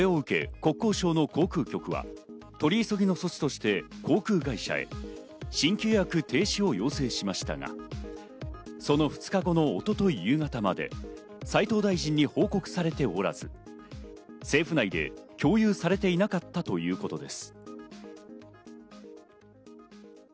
国交省の航空局は取り急ぎの措置として航空会社へ新規予約停止を要請しましたが、その２日後の一昨日夕方まで斉藤大臣に報告されておらず、政府内で共有されていなかったということです。